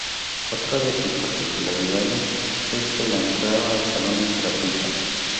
Otra de sus particularidades es que la entrada al salón es gratuita.